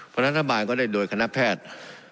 เพราะนั้นท่านบาลก็ได้โดยคณะแพทย์